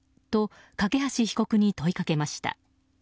と梯被告に問いかけました。